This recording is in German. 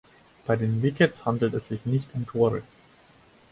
Bei den Wickets handelt es sich nicht um Tore.